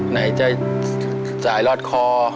ไหนจะจ่ายรอดคอ